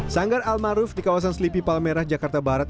sanggar almaruf di kawasan selipi palmerah jakarta barat